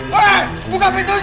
gak ada siapa bukan seseorang